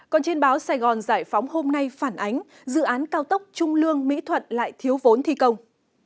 còn trên báo sài gòn giải phóng hôm nay phản ánh dự án cao tốc trung lương mỹ thuận lại thiếu vốn thi công